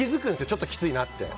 ちょっときついなって。